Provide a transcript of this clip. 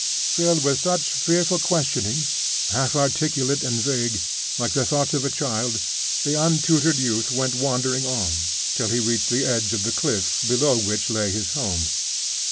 Filled with such fearful questionings, half inarticulate and vague, like the thoughts of a child, the untutored youth went wandering on, till he reached the edge of the cliff below which lay his home.